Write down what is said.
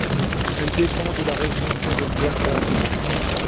Elle dépend de la région ferroviaire d'Amiens.